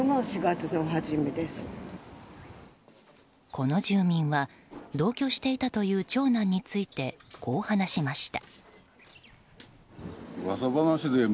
この住民は同居していたという長男についてこう話しました。